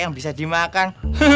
yang bisa dimakan